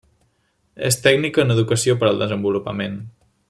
És tècnica en Educació per al Desenvolupament.